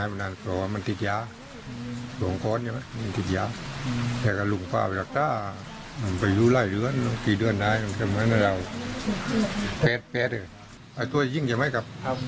มาเหลียมแต่นี่ว่าลุงก็มานั่งประจำ